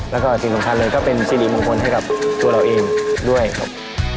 แล้วก็สิ่งสำคัญเลยก็เป็นสิริมงคลให้กับตัวเราเองด้วยครับ